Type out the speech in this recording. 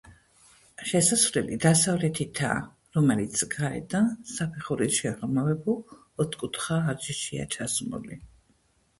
შესასვლელი დასავლეთითაა, რომელიც გარედან საფეხურით შეღრმავებულ ოთხკუთხა არეშია ჩასმული.